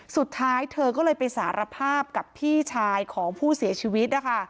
สุดท้ายเธอก็เลยไปสารภาพกับพี่ชายของผู้เสียชีวิตนะคะ